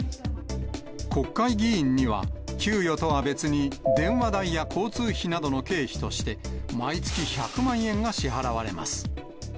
国会議員には給与とは別に、電話代や交通費などの経費として、毎月１００万円が支払われます。